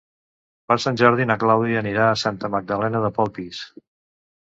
Per Sant Jordi na Clàudia anirà a Santa Magdalena de Polpís.